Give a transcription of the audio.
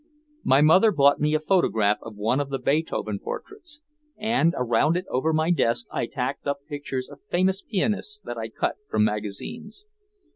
My mother bought me a photograph of one of the Beethoven portraits, and around it over my desk I tacked up pictures of famous pianists that I cut from magazines.